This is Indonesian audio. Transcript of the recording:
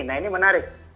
nah ini menarik